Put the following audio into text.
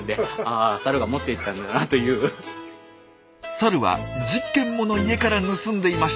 サルは１０軒もの家から盗んでいました。